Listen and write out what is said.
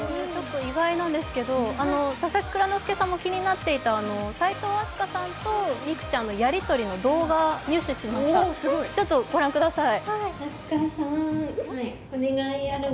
意外なんですけど、佐々木蔵之介さんも気になっていた齋藤飛鳥ちゃんとのやりとり入手しました、ちょっとご覧ください。